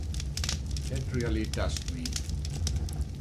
It really touched me.